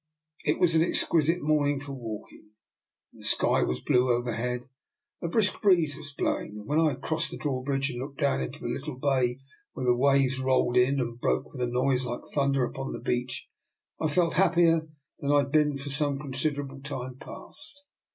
It was an exquisite morning for walk ing, and the sky was blue overhead, a brisk breeze was blowing, and when I had crossed the drawbridge and looked down into the lit tle bay where the waves rolled in and broke with a noise like thunder upon the beach, I felt happier than I had been for some consid erable time past.